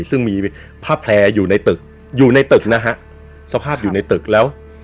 ซึ่งมีผ้าแพร่อยู่ในตึกอยู่ในตึกนะฮะสภาพอยู่ในตึกแล้ว